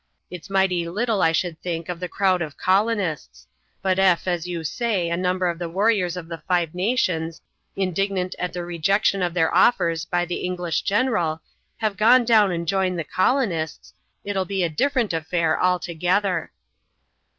It's mighty little I should think of the crowd of colonists; but ef, as you say, a number of the warriors of the Five Nations, indignant at the rejection, of their offers by the English general, have gone down and joined the colonists, it'll be a different affair altogether."